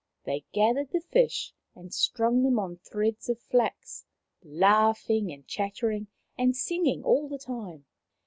They gathered the fish and strung them on threads of flax, laughing, chattering and singing all the time.